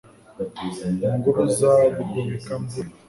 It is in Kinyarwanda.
Mu ngoro za Bugobeka-mvura,